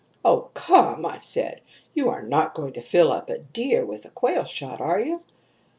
"'O, come!' I said. 'You are not going to fill up a deer with quail shot, are you?'